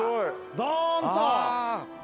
ドーンと。